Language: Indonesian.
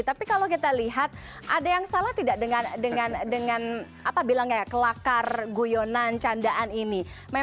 tapi kalau kita lihat ada yang salah tidak dengan kelakar guyonan candaan ini